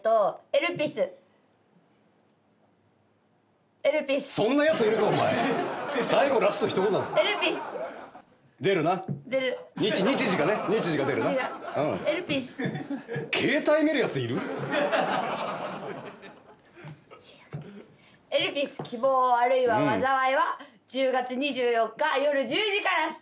『エルピス−希望、あるいは災い−』は１０月２４日夜１０時からスタート。